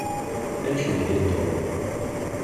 Ad ncedhi Tom.